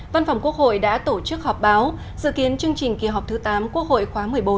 văn phòng quốc hội đã tổ chức họp báo dự kiến chương trình kỳ họp thứ tám quốc hội khóa một mươi bốn